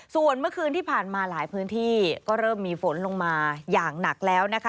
ส่วนเมื่อคืนที่ผ่านมาหลายพื้นที่ก็เริ่มมีฝนลงมาอย่างหนักแล้วนะคะ